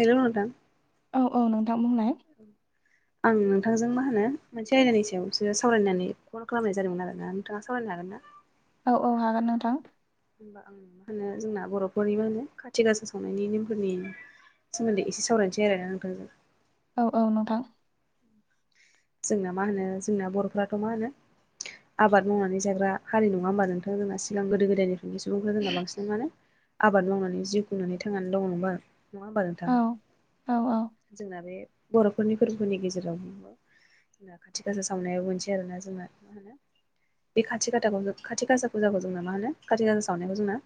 हेल नोंथां औ औ नोंथां बुंलाय [inaudible] आं नोंथांजों मा होनो मोनसे आयदानि सायाव बिसो सावरायनानै फन खालामनाय जादोंमोन आरोना नोंथाङा सावरायनो हागोन ना औ औ हागोन नोंथां होनबा आं होनो जोंना बर'फोरनि मा होनो खाथि गासा सावनायनि निमफोरनि सोमोन्दै एसे सावरायसै आरो नोंथांजों औ औ नोंथां जोंना मा होनो जोंना बर'फ्राथ' मा होनो आबाद मावनानै जाग्रा हारि नङा होमबा नोंथां जोंना सिगां गोदो गोदायनि सुबुंफ्रा जोंना बांसिन मानो आबाद मावनानै जिउ खुंनानै थांनानै दं नङबा नङा होमबा नोंथां औ औ जोंना बे बर'फोरनि फोरबोनि गेजेराव जोंना खाथि खासा सावनायो मोनसे आरो ना जोंना माने बे खाथि खाथाखौ खाथि गासा फुजाखौ जोंना मा होनो खाथि गासा सावनायखौ जोंना।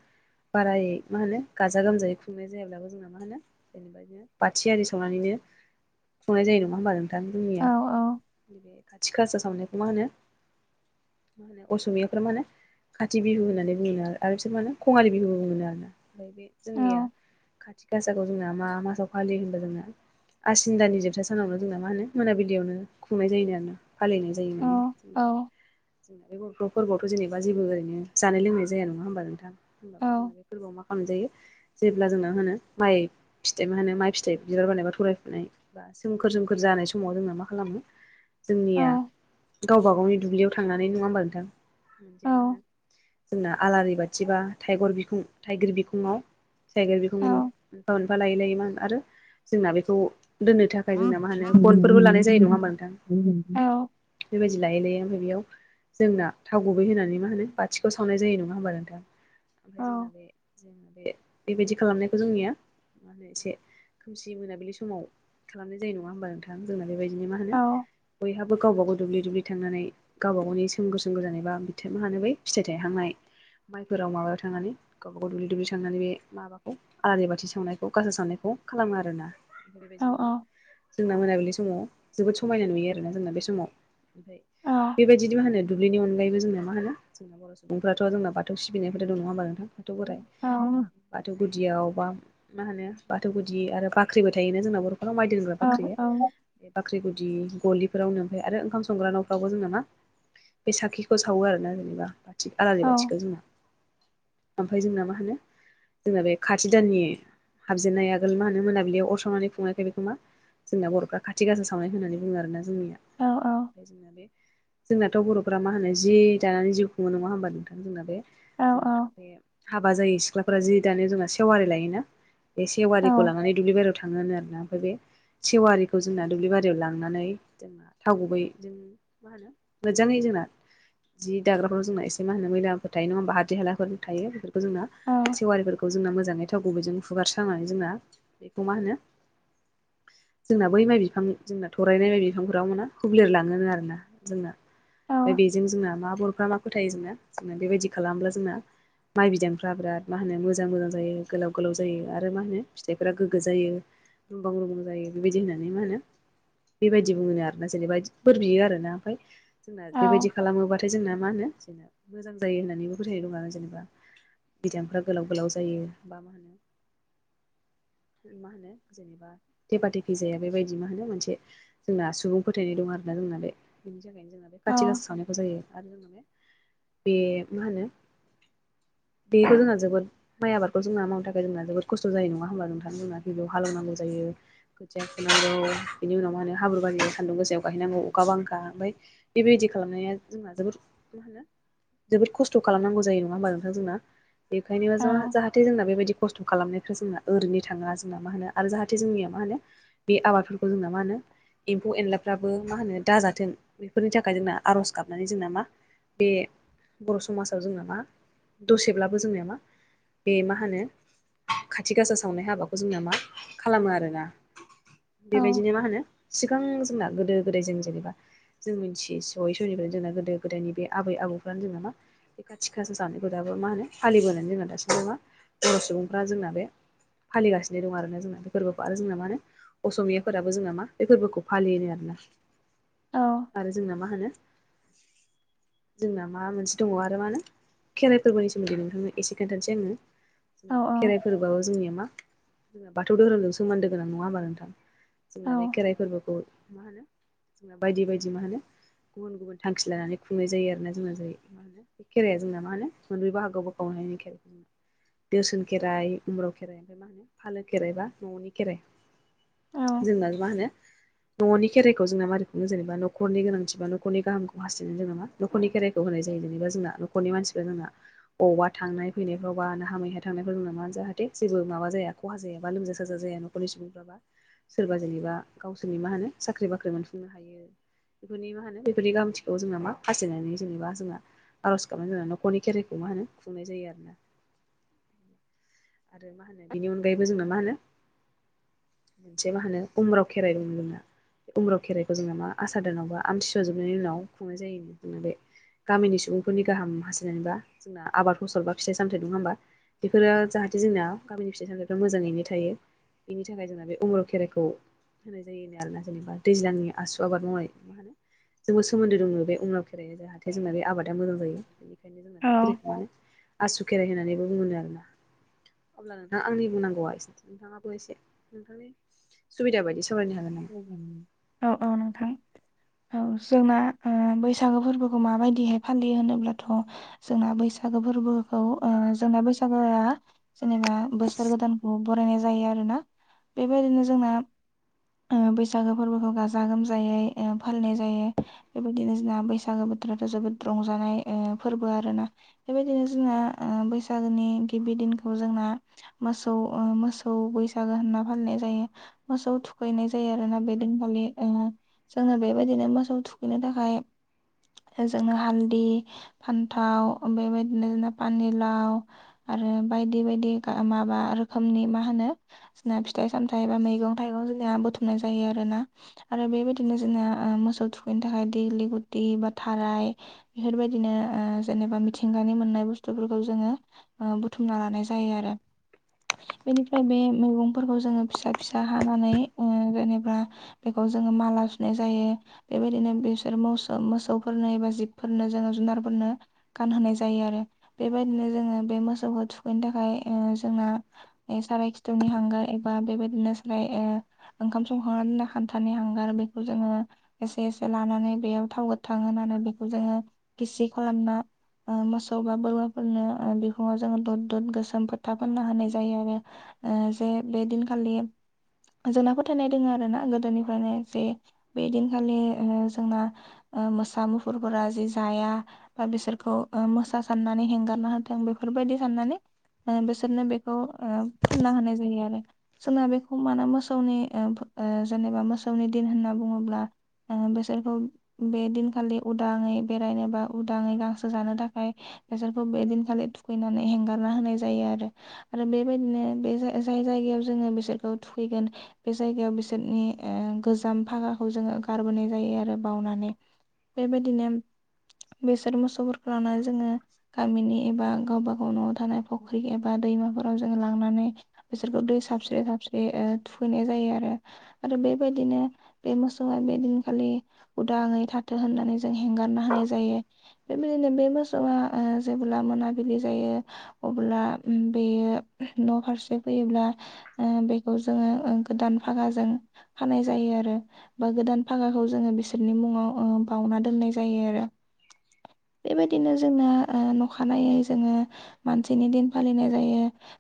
बाराय मा होनो गाजा गोमजायै खुंनाय जायाब्लाबो जोंना मा होनो। बाथि आरि सावनानैनो खुंनाय जायो नङा होमबा नों थां औ जोंनिया खाथि खासा सावनायखौ मा होनो मा होनो असमियाफोरा मानो खाथि बिहु होननानै बुङो आरो आरो बिसोर मा होनो खङालि बिहुबो होनो आरोना ओमफ्राय बे औ जोंनिया खाथि गासाखौ जोंना मा मासाव फालियो होनबा जोंना आसिन दानि जोबथा सानावनो जोंना मा होनो मोनाबिलियाव नो खुंनाय जायोनो आरोना फालिनाय जायो औ माने औ [unintelligible] फोरबोआवथ' जेनेबा जेबो ओरैनो ज लोंनाय जाया नङा होनोमबा नोंथां। औ [unintelligible] फोरबोआव मा खालामनाय जायो। जेब्ला जोंनो होनो माइ फिथाइ मा होनो माइ फिथाइ बिबार बानायबा थरायफुनाय। सोमखोर सोमखोर जानाय समाव जोंना मा खालामो औ जोंनिया गावबा गावनि दुब्लियाव थांनानै नङा होबा नोंथां। मोन जे मा होनो जोंना आलारि बाथि बा थाइगर बिखुं थाइगिर बिखङाव थाइगेर बिखं मोन मोनफा मोनफा लायै लायै मा आरो जोंना बेखौ दोननो थाखा फ्राय जोंना मा होनो गनफोरबो लानाय जायो नङा होनबा नों [unintelligible] औ। बेबायदि लायै लायै ओमफ्राय बेयाव जोंना थाव गुबै होनानै मा होनो बाथिखौ सावनाय जायो नङा होमबा नोंथां [inaudible] ए एबायदि खालामनायखौ जोंनिया [inaudible] एसे खोमसि मोनाबिलि समाव खालामनाय जायो नङा होमबा नोंथां जोंना बेबायदिनो मा होनो। बयहाबो गावबाागाव दुब्लि दुब्लि थांनानै गावबा गावनि सोमखोर सोमखोर जानाय बा बिथां मानो बै फिथाइ थायहांनाय माइफोराव माबायाव थांनानै गावबा गाव दुब्लि दुब्लि थांनानै बे माबाखौ आलारि बाथि सावनायखौ गसा सावनायखौ खालामो आरोना [inaudible] जोंना मोनाबिलि समाव जोबोद समायना नुयो आरोना जोंना बे समाव ओमफ्राय बेबायदि मा होनो दुब्लिनि अनगायैबो जोंना मा होनो बर' सुबुंफ्राथ' जोंना बाथौ सिबिनायफोरथ नङाोमब नोंथां। बाथौ बोराइ औ बाथौ गुदियाव बा मा होनो बाथौ गुदि आरो बाख्रिबो थायो जोंना। बर'फोराव माइदि दोंग्रा बाख्रि बाख्रि गुद दि गलिफोरावनो ओमफफ्राय आरो ओंखाम संग्रा न'फ्राबबो जोंना मा। बे साखिखौ सावो आरोना जेनेबा बाथि आलारि बाथिखौ जोंना। ओमफ्राय जोंना मा होनो जोंना बे खाथि दाननि हाबजेनन्नाय आगोल मा होनो मोनाबिलियाव अरसावनानै खुंनायखाय बेखौ मा जोंना बर'खा खाथि गासा सावनाय होननानै बुङो आरो ना जोंनिया ओमफ्राय जोंना बे जोंनाथ' बर'फ्रा मा होनो जि दानानै जिउ खुङो नङा होनोमबा नोंथां। जोंना बे जोंना बे हाबा जायै सिख्लाफोरा जि दानि जोंना सेवारि लायोना बे सेवारिखौ लानानै दुब्लि बारियाव थाङो होनो आर ना ओमफ्राय बे सेवारिखौ जोंना दुब्लिबारि दैयाव लांनानै जोंना थाव गुबै जों मा होनो। मोजाङै जोंना जि दाग्राफोराव जोंना एसे मा होनो। मैलाफोरायो नङा होनबा हादद हालाफोर थायो। [inaudible] खौ जोंना सेवारिफोरखै जोंना मोजाङै थाव गुबै फु हुगारस्रांनानै जोंना बेखौ मा होनो। जोंना बै माइ बिफां जोंना थरायनाय बायदि बिफांफोराव मोना हुब्लिरलाङो आर ना जोंना। ओमफ्राय बेजों जोंना मा बर'फ्रा मा फोथायो जोंना जोंना बेबायदि खालाम्ला जोंना। माइ बिदांफ्रा बिराद मा होनो मोजां मोजां जायो गोलाव गोलाव जायो आरो मा होनो। फिथाइफोरा गोग्गो जायो रुमबां रुबां जायो बेबायदि होननानै मा होनो। बेबायदि बुङोनो आरो जेनेबा बोर बियो आरो ना ओमफफ्राय जोंना बेबायदि खालामोबाथाय। ओमथाय जोंना मा होनो जेनेबा मोजां जायो होननानैबो फोथायो दं आरो जेनेबा। बिदांफ्रा गोलाव गोलाव जायो बा मा होनो। मा होनो जेनेबा थेफा थेफि जाया बेबायदि मा होनो मोनसे। जोंना सुबुं फोथायनाय दं आरोना जोंना बे बेनि थाखायनो जोंना बे खाथि गासा सावनायखौ जायो। आरो जोङो बे मा होनो बेयो थ'जोंना जोबोद। माइ आबादखौ जोंना मावनो थाखाय जोंना जोबोद खस्थ' जायो नङा होमबा नोंथां जोंना गिबियाव हालौनांगौ जायो। खोथिया फुनांगौ बिनि उनाव मा होनो हाब्रु बारियाव सान्दुं गोसायाव गायहैनांगौ अखा बांखा ओमफ्राय। बेबायदि खालामनाया जोंना जोबोद मा होनो। जोबोद खस्थ' खालामनांगौ जायो नङा होमबा नोंथां जोंना। बेखायनो जोंहा जाहाथे जोंना बेबायदि खस्थ' खालामनायफ्राजोंना ओरैनो थाङा जोंना मा होनो। आरो जाहाथे जोंनिया मा होनो बे आबादफोरखौ जोंना मा होनो। एम्फौ एनलाफ्राबो मा होनो दाजाथों बेफोरनि थाखाय जोंना आर'ज गाबनानै जोंना मा। बे बर' समाजाव जोंनो मा दसेब्लाबो जोंनिया मा। बे मा होनो खाथि गासा सावनाय हाबाखौ जोंना मा खालामो आरो ना। बेबायदिनो मा होनो सिगां जोंना गोदो गोदाय जों जेनेबा। जों मिथियो सहै समनिफ्राय जोंना गोदो गोदायनि बे आबै आबौफ्रानो जोंना मा। बे खाथि खा सावनायखौ दाबो मा होनो फालिबोनानै जोंना दासिमबो मा बर' सुबुंफ्रा जोंना बे। फालिगासिनो दं आरोना जोंना बे फोरबोखौ आरो जोंना मा होनो। असमियाफोराबो जोंना मा बे फोरबोखौ फालियो नो आरोना। आरो जोंना मा होनो जोंना मा मोनसे दङ आरो मा होनो। खेराइ फोरबोनि सोमोन्दै नोंथांनो एसे खोन्थानोसै आङो। जोंना खेराइ फोरबोया जोंनिया मा जोंना बाथौ धोरोमजों सोमोन्दो गोनां नङा होमबा नोंथां। जोंना बे खेराइ फोरबोखौ जोंना बायदि बायदि मा होनो गुबुन गुबुन थांखि लानानै खुंनाय जायो आरोना जोंना जै मा होनो। बे खेराया जोंना मा होनो मोन ब्रै बाहागोआव बोखावनो हायो। दोसोन खेराइ उम्रु खेराइ ओमफ्राय मा होनो फालो खेराइ बा न'नि खेराइ। औ। जोंना मा होनो। न'नि खेराइखौ जोंना मारै खुंयो जेनेबा नखरनि गोनांथि बा न'खरनि गाहाम हासथायनानै जोङो मा। न'खरनि खेराइखौ होनाय जायो जेनेबा जोंना न'खरनि मानसिफ्रा जोंना। बबावबा थांनाय फैनायाव बा ना हा मै हा थांनायफोराव नामा जाहाथे जेबो माबा जाया खहा जाया बा लोमजा साजा जाया। अनि सुबुंफ्राबा [unintelligible] सोरबा जेनेबा गावसोरनि मा होनो साख्रि बाख्रि मोनफुंनो हायो। बेफोरनि मा होनो बेफोरनि गाहामथिखौ जोंना ना मा हास्थायनानै जेनेबा जोंना। आर'ज गाबनो जोंना न'खरनि खेराइखौ मा होनो खुंनाय जायो आरोना। आरो मा होनो बिनि अनगायैबो जोंना मा होनो। मोनसे मा होनो उम्राव खेराइ बुङो जोंना। उम्रु खेराइखौ जोंना मा आसार दानावबा आमथिसुवा जोबनायनि उनाव खुंनाय जायो जोंना बे। गामिनि सुबुंफोरनि गाहाम हास्थायनानैबा जोंना आबाद फसल बा फिथाइ सामथायाइ नङा होमबा। बेफोरो जाहाथे जोंना गामिनि फिथाइ सामथाइफ्रा मोजाङैनो थायो बेनि थाखाय जोंना बे। अम्र खेराइखौ होनाय जायोनो आरोना जेनेबा दैज्लांनि आसु आबाद मावनाय मा होनो। जोंबो सोमोन्दो दङ बे उम्र खेराया जाहाथे जोंना बे आबादा मोजां जायो बेनिखायनो जोंना बे खेराइखौ मानो। आसु खेराइ होननानैबो बुङोनो आरोना। अब्ला नोंथां आंनि बुंनांगौआ एसेनोसै नोंथाङाबो एसे नोंथांनि। सुबिदा बायदिसो। औ औ नोंथां। औ जोंना ओ बैसागो फोरबोखौ माबायदिहाय फालियो होनोब्लाथ' जोंना बैसागो फोरबोखौ ओ जोंना बैसागोआ जेनेबा बोसोर गोदानखौ बरायनाय जायो आरोना बेबायदिनो जोंना ओ बैसागो फोरबोखौ गाजा गोमजायै ओ फालिनाय जायो बेबायदिनो जोंना बैसागो बोथोरथ' जोबोद रंजानाय ओ फोरबो आरोना बेबायदिनो जोंना ओ बैसागोनि गिबि दिनखौ जोंना मोसौ ओ मोसौ बैसागो होनना फालिनाय जायो मोसौ थु खैनाय जायो आरोना बे दिनखालि ओ जोंना बेबायदिनो मोसौ थुखैनो थाखाय जोंनो हालदि फान्थाव बेबायदिनो जोंना पानिलाव आरो बायदि-बायदि माबा रोखोमनि मा होनो जोंना फिथाइ सामथाइ बा मैगं थाइगं जोंनिया बुथुमनाय जायो आरोना आरो बेबायदिनो जोंना ओ मोसौ थुखैनो थाखाय दिगलि गुथि बा थाराय बेफोरबायदिनो ओ जेनेबा मिथिंगानि मोननाय बुस्थुफोरखौ जोङो ओ बुथुमना लानाय जायो आरो बेनिफ्राय बे मैगंफोरखौ जोङो फिसा-फिसा हानानै ओ जेनेबा बेखौ जोङो माला सुनाय जायो बेबायदिनो बिसोर मोसौ-मोसौफोरनो एबा जिबफोरनो जोङो जुनारफोरनो गानहोनाय जायो आरो बेबायदिनो जोङो बे मोसौखौ थुखैनो थाखाय ओ जोंना साराय खिथुनि हांगार एबा बेबायदिनो साराय ओ ओंखाम संखांनानै खान्थानि हांगार बेखौ जोङो एसे-एसे लानानै बेयाव थाव गोथां होनानै बेखौ जोङो गिसि खालामना ओ मोसौ बा बोरमाफोरनोओ बिखुङाव जोङो दद दद गोसोम फोथा फोनना होनाय जायो आरो ए जे बेदिन खालि जोंना फोथायनाय दोङो आरो ना गोदोनिफ्रायनो जे बे दिनखालि ओ जोंना ओ मोसा मुफुरफोरा जे जाया बा बिसोरखौ मोसा साननानै हेंगारना होथों बेफोरबायदि साननानै बिसोरनो बे खौ ओ फोनना होनाय जायो आरो जोंना बेखौ मानो मो मोसौनि ओ जेनेबा मोसौनि दिन होनना बुङोब्लाओ बिसोरखौ बे दिनखालि उदाङै बेरायनो बा उदाङै गांसो जानो थाखाय बेसोरखौ बेदिनखालि थुखैनानै हेंगारना होनाय जायो आरो आरो बेबायदिनो बे जाय जायगायाव जोङो बिसोरखौ थुखैगोन बे जायगायाव बिसोरनि ओ गोजाम फागाखौ जोङो गारबोनाय जायो आरो बावनानै बेबायदिनो बिसोर मोसौफोरखौ लानानै जोङो गामिनि एबा गावबा गाव न'आव थानाय फख्रि एबा दैमाफोराव जोंङो लांनानै बिसोरखौ दै साबस्रि-साबस्रि थुखैनाय जायो आरो आरो बेबायदिनो बे मोसौआ बेदिनखालि उदाङै थाथों होननानै जों हेंगारना होनाय जायो बेबायदिनो बे मोसौआ ओ जेब्ला मोनाबिलि जायो अब्ला बेयो न' फारसे फैयोब्ला ओ बेखौ जोङो गोदान फागाजों खानाय जायो आरो बा गोदान फागाखौ जोङो बिसोरनि मुङाव बाउना दोननाय जायो आरो बेबायदिनो जोंना अखानायै जोङो मानसिनि दिन फालिनाय जायो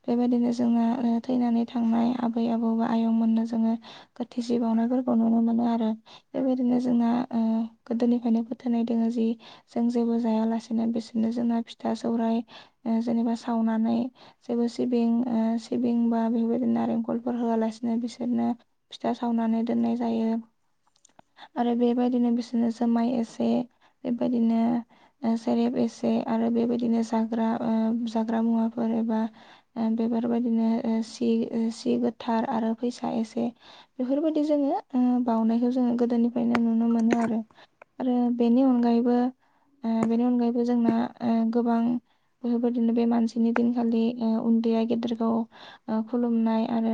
बेबायदिनो जोंना थैनानै थांनाय बै आबौबा आयं मोननो जोङो गोथि सि बावनायफोरखौ नुनो मोनो आरो बेबायदिनो जोंना ओ गोदोनिफ्रायनो फोथायनाय दोङो जि जों जेबो जायालासिनो बिसोरनो जोंना फिथा-सौराय जेनेबा सावनानै जेबो सिबिं-सिबिं बा बेफोरबायदि नारेंखल फोर होआलासिनो बिसोरनो फिथा सावनानै दोननाय जायो आरो बेबायदिनो बिसोरनो जुमाय एसे बेबायदिनो ओ सेरेब एसे आरो बेबायदिनो जाग्रा ओ जाग्रा मुवाफोर एबा बेफोरबायदिनो सि सि गोथार आरो फैसा एसे बेफोरबायदि जोङो बावनायखौ जोङो गोदोनिफ्रायनो नुनो मोनो आरो आरो बेनि अनगायैबो बेनि अनगायैबो जोंना गोबां बेफोरबायदिनो बे मानसिनि दिनखालि उन्दैया गेदेरखौ खुलुमनाय आरो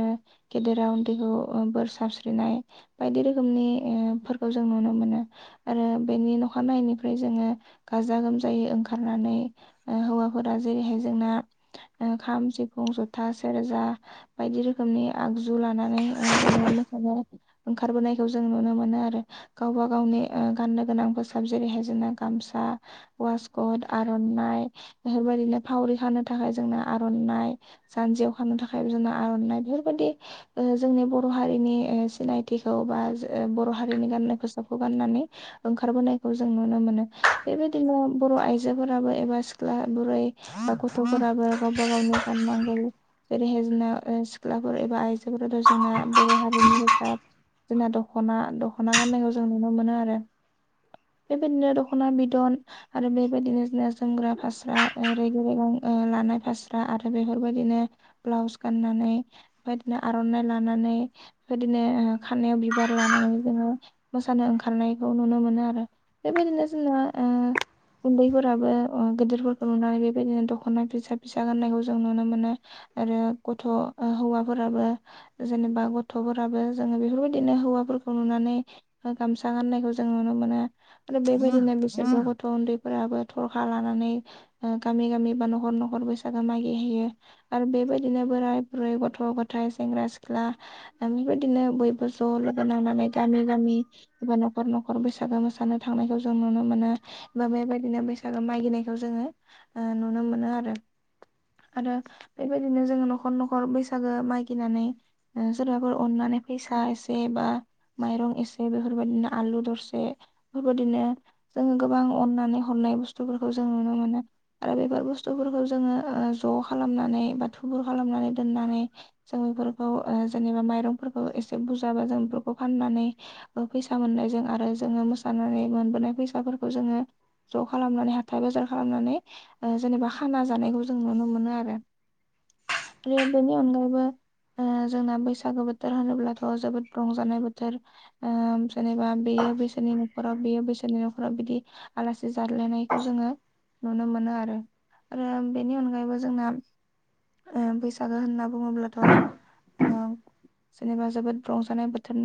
गेदेरा उन्दैखौ बोर साबस्रिनाय बायदि रोखोमनि फोरफोरखौ जों नुनो मोनो आरो बेनि अखानायैनायनिफ्राय जोङो गाजा गोमजायै ओंखारनानै हौवाफोरा जेरैहाय जोंना खाम सिफुं जथा सेरजा बायदि रोखोमनि आगजु लानानै जेनेबा मोसानो ओंखारबोनायखौ जों नुनो मोनो आरो गावबा गावनि गाननो गोनां खसाब जेरैहाय जोंना गामसा ववासकट आर'नाइ बेफोरबायदिनो फावरि खानो थाखाय जोंनो आर'नाइ जानजि अ खानु थाखाया बि ज आर'नानाय बेफोरबायदि जोंनि बर' हारिनि सिनायथिखौ बा बर' हारिनि गाननाय फोसाबखौ गाननानै ओंखारबोनायखौ जों नुनो मोनो बेबायदिनो बर' आइजोफोराबो एबा सिख्ला बुरै गथ'फोराबो गावबा गावनि गाननांगौ जेरैहाय जोंना सिख्लाफोर एबा आइजोफोराथ' जोंना बर' हारिनि बेाद जोंना दखना दख'ना गाननायखौ जों नुनो मोनो आरो बेबायदिनो दखना बिदन आरो बेबायदिनो जोमग्रा फास्रा रेगि रेगां लानाय फास्रा आरो बेफोरबायदिनो ब्लाउस गाननानै बेदिनो आर'नाइ लानानै बिदिनो खारनायाव बिबार लानानै जोङो मोसानो ओंखारनायखौ नुनो मोनो आरो बेबायदिनो जोंना उन्दैफोराबो गिदिरफोरखौ नुनानै बेबायदिनो दख'ना फिसा फिसा गाननायखौ जों नुनो मोनो आरो गथ' हौवाफोराबो जेनेबा गथ'फोराबो जोङो बेफोरबायदिनो हौवाफोरखौ नुनानै गामसा गाननायखौ जों नुनो मोनो आरो बेबायदिनो बिसोरबो गथ' उन्दैफोराबो थरखा लानानै गामि गामि बा न'खर न'खर बैसागो मागि होयो आरो बेबायदिनो बोराय बै गथ' गथाय सेंग्रा सिख्ला आ बेबायदिनो बयबो ज लोगो नांनानै गामि गामि एबा न'खर न'खर बैसागो मोसानो थांनायखौ जों नुनो मोनो बा बेबायदिनो बैसागो मागागिनायखौ जोङो नुनो मोनो आरो आरो बेबायदिनो जोङो न'खर न'खर नखर बैसागो मागिनानै सोरबाफोर अननानै फैसा एसे बा माइरं एसे बेफोरबायदिनो आलु दरसे बेफोरबायदिनो जोङो गोबां अननानै हरनाय बुस्थुफोरखौ जों नुनो मोनो। आरो बेफोर बुस्थुफोरखौ जोङो ज' खालामनानै बा थुबुर खालामनानै दोननानै जों बेफोरखौ जेनेबा माइरंफोरखौ एसे बुरजाबा जों बेफोरखौ फाननानै फैसा मोननायजों आरो जोङो मोसानानै मोनबोनाय फैसाफोरखौ जोङो ज' खालामनानै हाथथाय बाजार खालामनानै जेनेबा खाना जानायखौ जों नुनो मोनो आरो आरो बेनि अंबा जोंना बैसागो बोथोर होनोब्लाथ' जोबोद रंजानाय बोथोर जेनेबा बेयो बैसोनि न'खराव बेयो बैसोनि न'खराव बिदि आलासि जाद्लायनायखौ जोङो नुनो मोनो आरो। आरो बेनि अनगायैबो जोंना बैसागो होनना बुङोबथ' जेनेबा जोबोद रंजानाय बोथोरनि